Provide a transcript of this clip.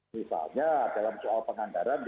misalnya dalam soal pengandaran